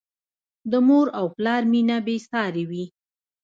د مور او پلار مینه بې سارې وي.